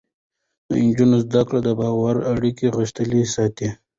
د نجونو زده کړه د باور اړیکې غښتلې ساتي.